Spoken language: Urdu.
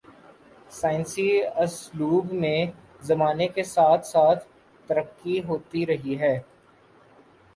سائنسی اسلوب میں زمانے کے ساتھ ساتھ ترقی ہوتی رہی ہے۔